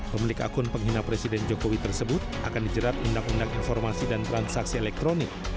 pemilik akun penghina presiden jokowi tersebut akan dijerat undang undang informasi dan transaksi elektronik